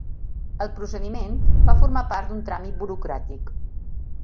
El procediment va formar part d'un tràmit burocràtic.